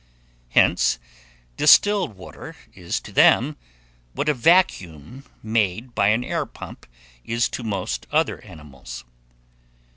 Hence, distilled water is to them what a vacuum made by an air pump, is to most other animals.